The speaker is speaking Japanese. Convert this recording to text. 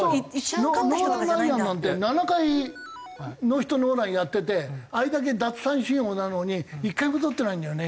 ノーラン・ライアンなんて７回ノーヒットノーランやっててあれだけ奪三振王なのに１回もとってないんだよね。